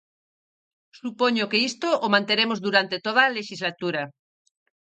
Supoño que isto o manteremos durante toda a lexislatura.